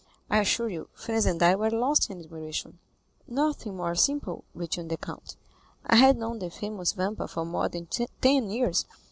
I assure you, Franz and I were lost in admiration." "Nothing more simple," returned the count. "I had known the famous Vampa for more than ten years.